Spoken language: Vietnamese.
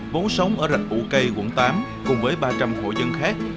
vốn sống ở rạch củ cây quận tám cùng với ba trăm linh hộ dân khác